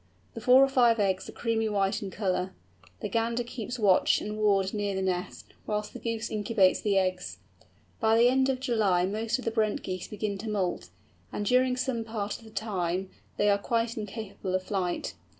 The four or five eggs are creamy white in colour. The gander keeps watch and ward near the nest, whilst the goose incubates the eggs. By the end of July most of the Brent Geese begin to moult, and during some part of the time they are quite incapable of flight.